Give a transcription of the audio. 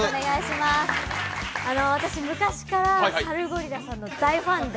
私、昔からサルゴリラさんの大ファンで。